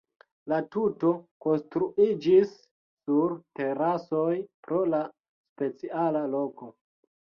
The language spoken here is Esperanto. La tuto konstruiĝis sur terasoj, pro la speciala loko.